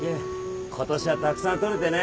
今年はたくさん取れてね。